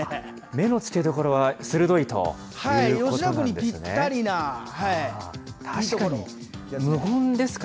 目のつけどころは鋭いということなんですね。